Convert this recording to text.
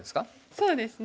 そうですね。